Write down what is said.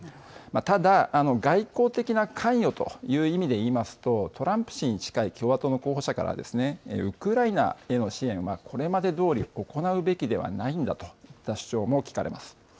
ただ、外交的な関与という意味でいいますと、トランプ氏に近い共和党の候補者から、ウクライナへの支援はこれまでどおり行うべきではないんだといった主張も聞かれます。